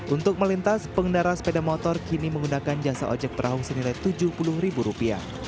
untuk melintas pengendara sepeda motor kini menggunakan jasa ojek perahu senilai rp tujuh puluh